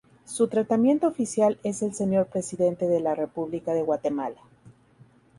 Su tratamiento oficial es "El Señor Presidente de la República de Guatemala".